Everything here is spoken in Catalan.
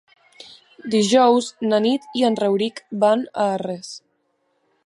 Dijous na Nit i en Rauric van a Arres.